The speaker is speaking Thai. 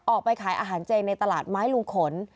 ออกไปขายอาหารเจในตลาดไม้ลุงขน